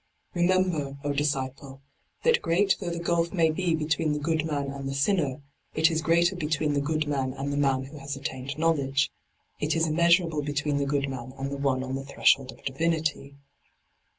Remem ber, O disciple, that great though the gulf may be between the good man and the sinner, it is greater between the good man and the man who has attained knowledge ; it is immeasurable between the good man and the one on the threshold of divinity.